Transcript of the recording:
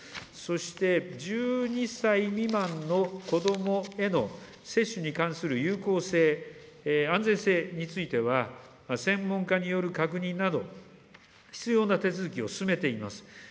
そして、１２歳未満の子どもへの接種に関する有効性、安全性については、専門家による確認など、必要な手続きを進めています。